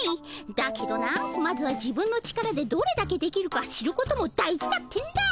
だけどなまずは自分の力でどれだけできるか知ることも大事だってんだ。